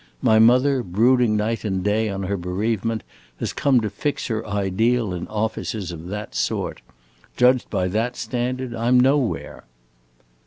My mother, brooding night and day on her bereavement, has come to fix her ideal in offices of that sort. Judged by that standard I 'm nowhere!"